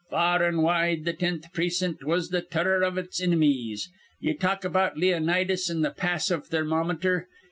Far an' wide, th' tenth precint was th' turror iv its inimies. Ye talk about Leonidas an' th' pass iv Thermometer.